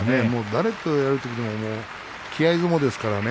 誰とやるときも気合い相撲ですからね。